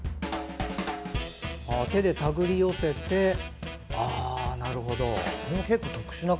手で手繰り寄せてなるほど。